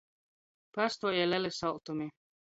Pastuoja leli soltumi.